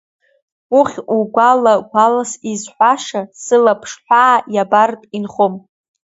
Ухь, угәала гәалс изҳәаша, сылаԥшҳәаа иабартә инхом.